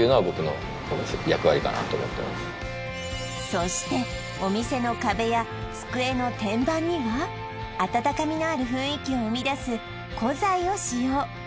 そしてお店の壁や机の天板には温かみのある雰囲気を生み出す古材を使用